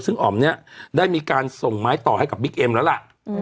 ซึ่งอ๋อมเนี่ยได้มีการส่งไม้ต่อให้กับบิ๊กเอ็มแล้วล่ะ